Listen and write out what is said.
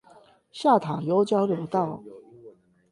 下塔悠交流道